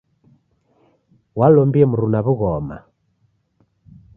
Walombie mruna w'ughoma.